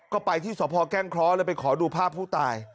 ก็ไปที่ศพแกล้งคล้อแล้วไปขอดูภาพผู้ตาย